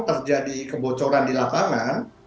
terjadi kebocoran di lapangan